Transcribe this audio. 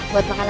buat makanan ya